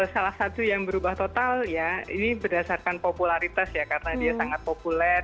salah satu yang berubah total ya ini berdasarkan popularitas ya karena dia sangat populer